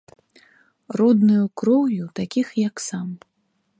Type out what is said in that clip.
Роднаю кроўю такіх, як сам.